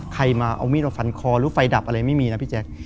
ใครมาเอามีดมาฟันคอหรือไฟดับอะไรไม่มีนะพี่แจ๊ค